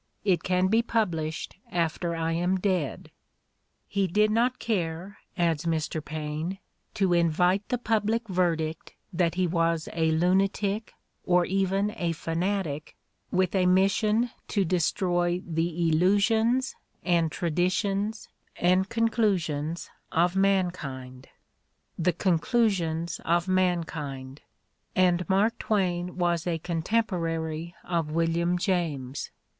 It can be published after I am dead.' He did not care," adds Mr. Paine, "to invite the public verdict that he was a lunatic, or even a fanatic with a mission to destroy the illusions and traditions and conclusions of mankind. '' The conclusions of mankind ! And Mark Twain was a contemporary of William James!